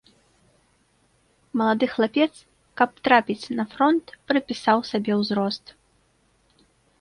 Малады хлапец, каб трапіць на фронт, прыпісаў сабе ўзрост.